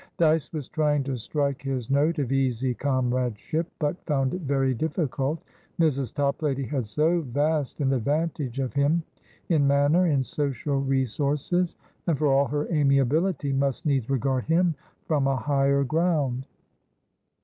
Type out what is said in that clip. Dyce was trying to strike his note of easy comradeship, but found it very difficult. Mrs. Toplady had so vast an advantage of him in manner, in social resources, and, for all her amiability, must needs regard him from a higher ground.